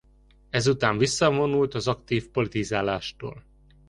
Ezután visszavonult az aktív politizálástól.